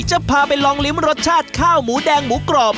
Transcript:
จะพาไปลองลิ้มรสชาติข้าวหมูแดงหมูกรอบ